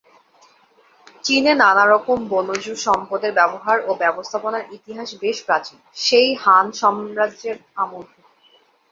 চীনে নানান রকম বনজ সম্পদের ব্যবহার ও ব্যবস্থাপনার ইতিহাস বেশ প্রাচীন- সেই হান সাম্রাজ্যের আমল থেকে।